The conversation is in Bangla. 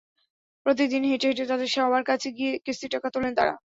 প্রতিদিন হেঁটে হেঁটে তাঁদের সবার কাছে গিয়ে কিস্তির টাকা তোলেন তাঁরা।